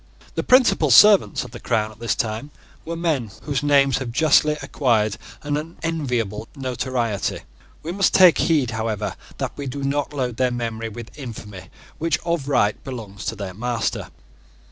The principal servants of the crown at this time were men whose names have justly acquired an unenviable notoriety. We must take heed, however, that we do not load their memory with infamy which of right belongs to their master.